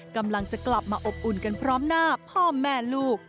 กำลังจะกลับมาอบอุ่นกันพร้อมหน้าพ่อแม่ลูก